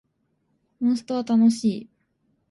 モンストは楽しい